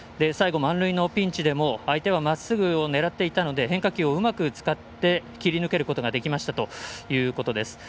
最後、満塁のピンチでも相手はまっすぐを狙っていたので変化球をうまく使って切り抜けることができましたということです。